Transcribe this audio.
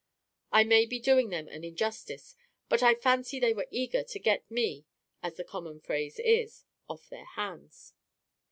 I may be doing them an injustice, but I fancy they were eager to get me (as the common phrase is) off their hands.